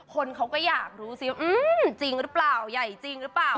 คนเขาก็อยากรู้สิจริงหรือเปล่าใหญ่จริงหรือเปล่า